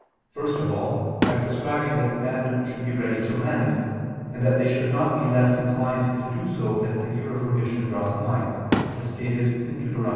First of all by prescribing that men should be ready to lend, and that they should not be less inclined to do so as the year of remission drew nigh, as stated in Deut.